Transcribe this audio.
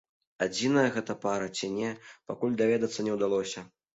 Адзіная гэта пара ці не, пакуль даведацца не ўдалося.